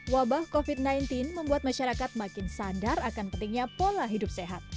wabah covid sembilan belas membuat masyarakat makin sadar akan pentingnya pola hidup sehat